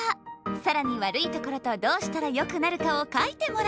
更にわるいところとどうしたらよくなるかを書いてもらいます